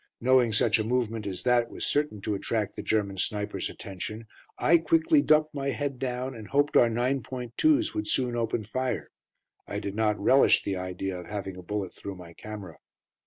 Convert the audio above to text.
Knowing such a movement as that was certain to attract the German snipers' attention, I quickly ducked my head down and hoped our 9.2's would soon open fire. I did not relish the idea of having a bullet through my camera.